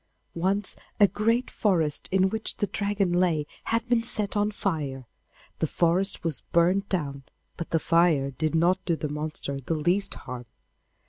Once a great forest in which the Dragon lay had been set on fire; the forest was burnt down, but the fire did not do the monster the least harm.